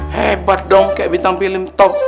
hebat dong kayak bintang film top